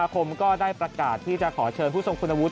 คมก็ได้ประกาศที่จะขอเชิญผู้ทรงคุณวุฒ